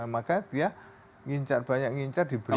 maka ya ngincar banyak ngincar diberikan